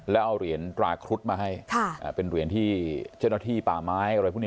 แล้วเอาเหรียญตราครุฑมาให้เป็นเหรียญที่เจ้าหน้าที่ป่าไม้อะไรพวกนี้